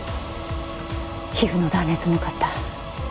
皮膚の断裂も多かった。